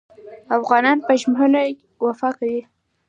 افغانان په ژمنه وفا کوي.